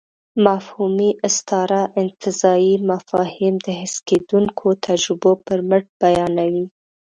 مفهومي استعاره انتزاعي مفاهيم د حس کېدونکو تجربو پر مټ بیانوي.